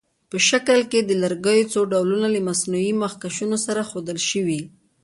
په شکل کې د لرګیو څو ډولونه له مصنوعي مخکشونو سره ښودل شوي.